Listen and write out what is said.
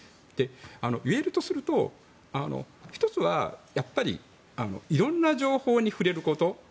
いえるとすると、１つはいろんな情報に触れること。